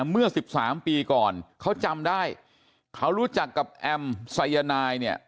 เมื่อ๑๓ปีก่อนเขาจำได้เขารู้จักกับแอมสายนายเนี่ย